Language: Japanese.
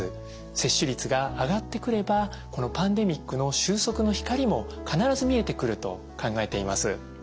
接種率が上がってくればこのパンデミックの終息の光も必ず見えてくると考えています。